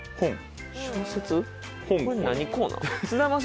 何コーナー？